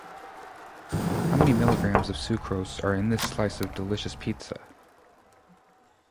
How many milligrams of sucrose are in this slice of delicious pizza?